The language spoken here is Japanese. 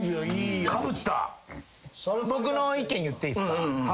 僕の意見言っていいっすか？